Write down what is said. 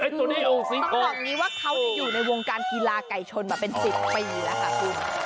ต้องบอกอย่างนี้ว่าเขาจะอยู่ในวงการกีฬาไก่ชนมาเป็น๑๐ปีแล้วค่ะคุณ